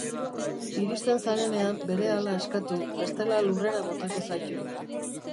Iristen zarenean berehala askatu, bestela lurrera botako zaitu.